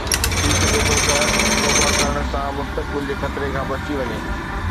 ٿي سگهي ٿو ته توبه ڪرڻ سان مستقبل جي خطري کان بچي وڃي